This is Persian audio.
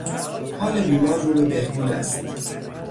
حال بیمار رو به بهبود است.